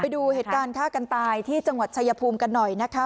ไปดูเหตุการณ์ฆ่ากันตายที่จังหวัดชายภูมิกันหน่อยนะคะ